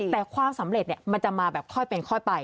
แต่ความสำเร็จมันจะมาแบบค่อยเป็นค่อยไป